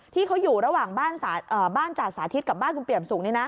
ที่เขาอยู่ระหว่างบ้านจ่าสาธิตกับบ้านคุณเปี่ยมสูง